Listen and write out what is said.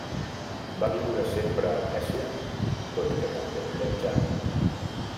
Va viure sempre a Venècia tot i que també viatjà.